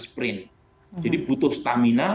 sprint jadi butuh stamina